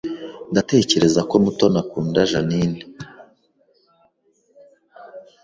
Ndatekereza ko Mutoni akunda Jeaninne